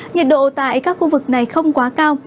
nhiệt độ tại các khu vực này không quá cao